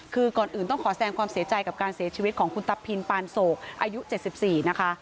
คือก่อนอื่นต้องขอแสงความเสียใจกับการเสียชีวิตของคุณตับพินปานโศกอายุ๗๔นะคะ